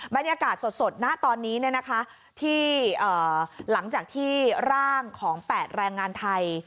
บรรยากาศสดณตอนนี้ที่หลังจากที่ร่างของ๘แรงงานไทย